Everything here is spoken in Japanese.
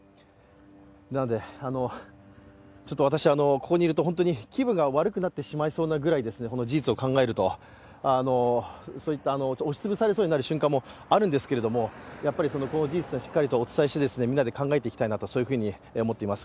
なので、私、ここにいると気分が悪くなってしまいそうなぐらい、その事実を考えると、押し潰されそうになる瞬間もあるんですけどこの事実をしっかりとお伝えして、みんなで考えていきたいと思っております。